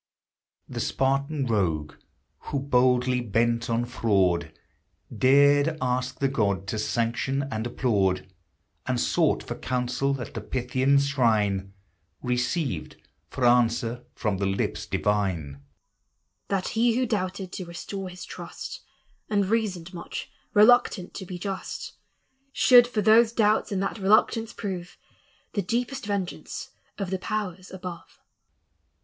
The Spartan rogue who, boldly bent on fraud, Dared ask the god to sanction and applaud, And sought for counsel at the Pythian shrine, Received for answer from the lips divine, —" That he who doubted to restore his trust. And reasoned much, reluctant to be just, Should for those doubts and that reluctance prove The deepest vengeance of the powers above."